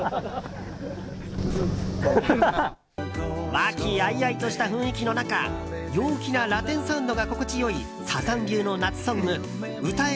和気あいあいとした雰囲気の中陽気なラテンサウンドが心地良いサザン流の夏ソング「歌え